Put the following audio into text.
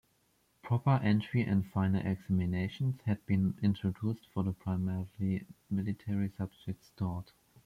Proper entry and final examinations had been introduced for the primarily military subjects taught.